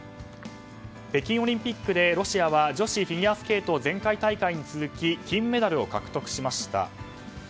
北京オリンピックでロシアは女子フィギュアスケート前回大会に続き金メダルを獲得しました。